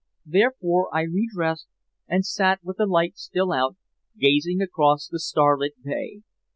Therefore I redressed and sat with the light still out, gazing across the starlit bay.